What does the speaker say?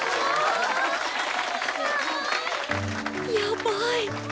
やばい。